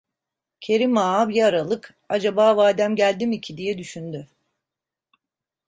Kerim Ağa, bir aralık: "Acaba vadem geldi mi ki?" diye düşündü.